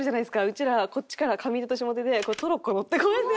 うちらこっちから上手と下手でトロッコ乗ってこうやって。